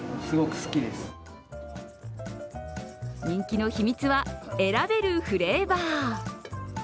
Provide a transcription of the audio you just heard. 人気の秘密は選べるフレーバー。